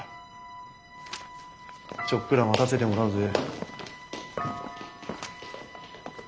ちょっくら待たせてもらうぜ。